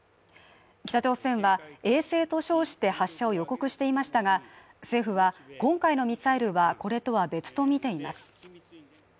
北朝鮮は衛星と称して発射を予告していましたが、政府は今回のミサイルはこれとは別とみています。